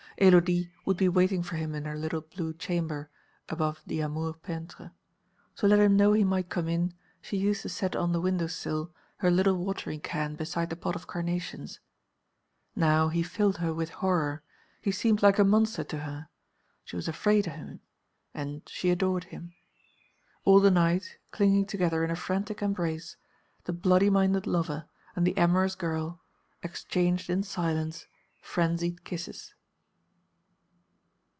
Élodie would be waiting for him in her little blue chamber above the Amour peintre. To let him know he might come in, she used to set on the window sill her little watering can beside the pot of carnations. Now he filled her with horror, he seemed like a monster to her; she was afraid of him, and she adored him. All the night, clinging together in a frantic embrace, the bloody minded lover and the amorous girl exchanged in silence frenzied kisses.